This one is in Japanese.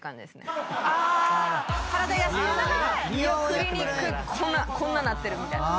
クリニックこんなこんななってるみたいな。